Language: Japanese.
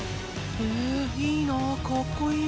えいいなかっこいい。